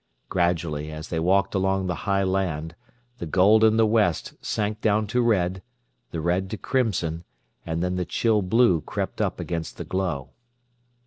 Gradually, as they walked along the high land, the gold in the west sank down to red, the red to crimson, and then the chill blue crept up against the glow.